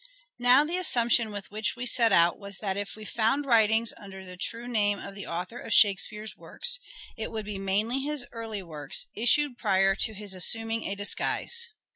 Now the assumption with which we set out was that Hidden if we found writings under the true name of the author Productions of Shakespeare's works, it would be mainly his early works, issued prior to his assuming a disguise.